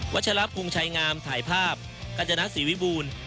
วัชลัพธ์กรุงชัยงามถ่ายภาพกัจจนักศิวิบูรณ์